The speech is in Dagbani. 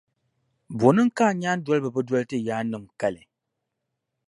Bɔ niŋ ka a nyaandoliba bi doli ti yaannim’ kali?